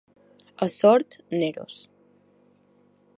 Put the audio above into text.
A Sort, neros.